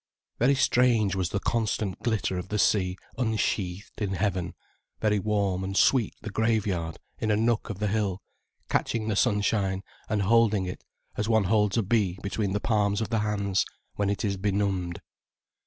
Very strange was the constant glitter of the sea unsheathed in heaven, very warm and sweet the graveyard, in a nook of the hill catching the sunshine and holding it as one holds a bee between the palms of the hands, when it is benumbed.